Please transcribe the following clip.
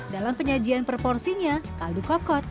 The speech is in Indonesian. dalam penyajian proporsinya kaldu kokot